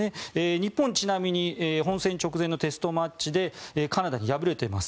日本、ちなみに本戦直前のテストマッチでカナダに敗れています。